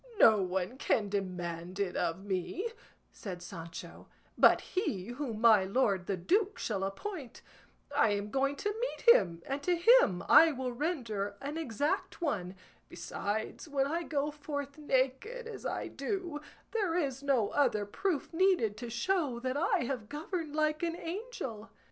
"No one can demand it of me," said Sancho, "but he whom my lord the duke shall appoint; I am going to meet him, and to him I will render an exact one; besides, when I go forth naked as I do, there is no other proof needed to show that I have governed like an angel."